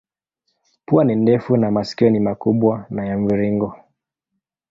Pua ni ndefu na masikio ni makubwa na ya mviringo.